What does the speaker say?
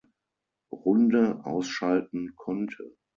Runde ausschalten konnte.